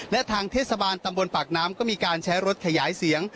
และทางเทศบาลตำบลปากน้ำก็มีการใช้รถขยายเสียง